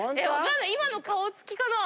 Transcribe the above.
今の顔つきかな。